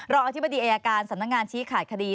อธิบดีอายการสำนักงานชี้ขาดคดี